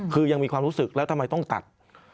คือยังมีความรู้สึกแล้วทำไมต้องตัด